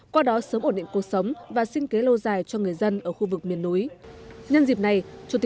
qua đó sớm ổn định cuộc sống và sinh kế lâu dài cho người dân ở khu vực miền núi